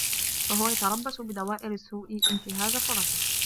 فَهُوَ يَتَرَبَّصُ بِدَوَائِرِ السَّوْءِ انْتِهَازَ فُرَصِهِ